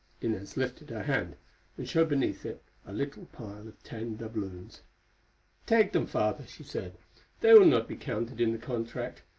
Inez lifted her hand, and showed beneath it a little pile of ten doubloons. "Take them, Father," she said; "they will not be counted in the contract.